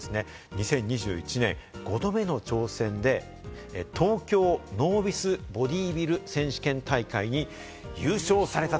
２０２１年、５度目の挑戦で東京ノービスボディビル選手権大会に優勝された。